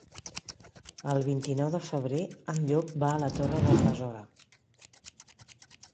El vint-i-nou de febrer en Llop va a la Torre d'en Besora.